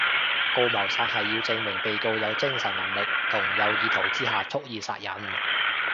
告謀殺係要證明被告有精神能力同有意圖之下蓄意殺人